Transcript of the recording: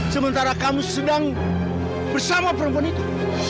sementara kamu sedang bersama perempuan itu